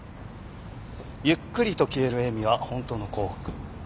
ゆっくりと消える笑みは本当の幸福驚きも少々。